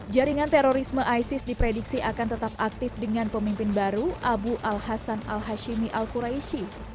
jaringan terorisme isis diprediksi akan tetap aktif dengan pemimpin baru abu al hasan al hashimi al quraisi